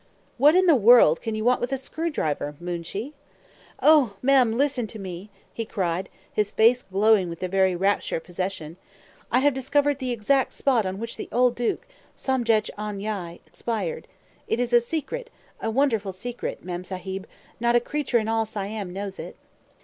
"What in the world can you want with a screw driver, Moonshee?" "O Mem, listen to me!" he cried, his face glowing with the very rapture of possession; "I have discovered the exact spot on which the old duke, Somdetch Ong Yai, expired. It is a secret, a wonderful secret, Mem Sahib; not a creature in all Siam knows it."